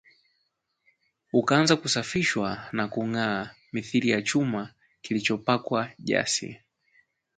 ukaanza kusafishwa na kung’aa mithili ya chuma kilichopakwa jasi